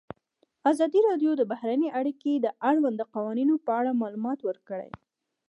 ازادي راډیو د بهرنۍ اړیکې د اړونده قوانینو په اړه معلومات ورکړي.